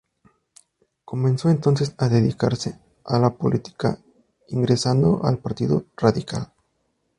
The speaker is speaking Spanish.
Comenzó entonces a dedicarse a la política, ingresando al Partido Radical.